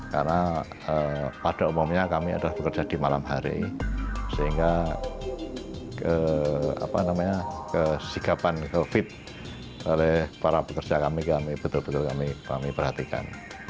karena pada umumnya kami adalah pekerja di malam hari sehingga kesikapan covid oleh para pekerja kami betul betul kami perhatikan